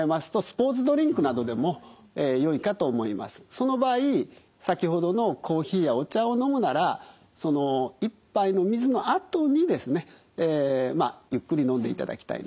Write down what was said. その場合先ほどのコーヒーやお茶を飲むならその１杯の水のあとにですねまあゆっくり飲んでいただきたいなと。